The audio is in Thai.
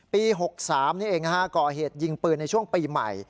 ปี๖๓นี่เองก่อเหตุยิงปืนในช่วงปีใหม่